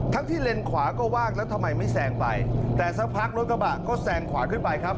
ทั้งที่เลนขวาก็ว่างแล้วทำไมไม่แซงไปแต่สักพักรถกระบะก็แซงขวาขึ้นไปครับ